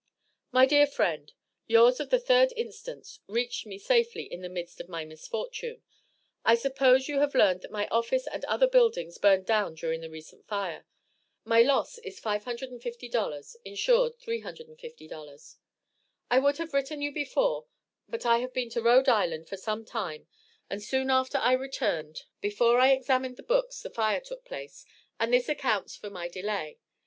My Dear Friend: Yours of the 3d inst. reached me safely in the midst of my misfortune. I suppose you have learned that my office and other buildings burned down during the recent fire. My loss is $550, insured $350. I would have written you before, but I have been to R.I. for some time and soon after I returned before I examined the books, the fire took place, and this accounts for my delay.